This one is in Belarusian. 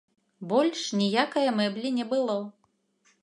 Больш ніякае мэблі не было.